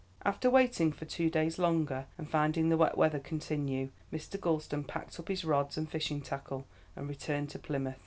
After waiting for two days longer and finding the wet weather continue, Mr. Gulston packed up his rods and fishing tackle and returned to Plymouth.